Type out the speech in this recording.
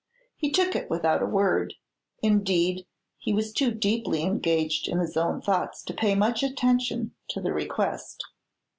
He took it without a word; indeed, he was too deeply engaged in his own thoughts to pay much attention to the request.